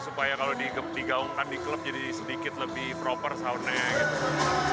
supaya kalau digaungkan di klub jadi sedikit lebih proper soundnya gitu